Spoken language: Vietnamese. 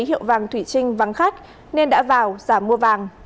hiệu vàng thủy trinh vắng khách nên đã vào giả mua vàng